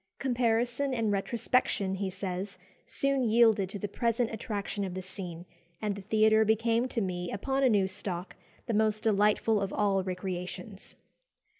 "Comparison and retrospection," he says, "soon yielded to the present attraction of the scene, and the theatre became to me, upon a new stock, the most delightful of all recreations."